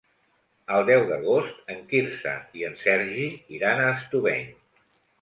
El deu d'agost en Quirze i en Sergi iran a Estubeny.